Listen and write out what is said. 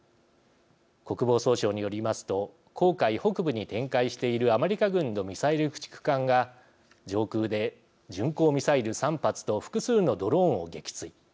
国防総省によりますと紅海北部に展開しているアメリカ軍のミサイル駆逐艦が上空で巡航ミサイル３発と複数のドローンを撃墜。